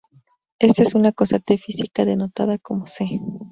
Esta es una constante física denotada como "c".